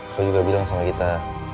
aku juga bilang sama kita